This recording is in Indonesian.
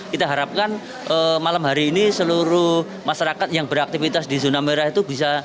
kita harapkan malam hari ini seluruh masyarakat yang beraktivitas di zona merah itu bisa